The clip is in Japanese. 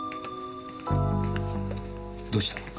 どうした？